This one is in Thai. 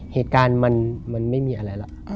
เหตุการณ์มันไม่มีอะไรหรอก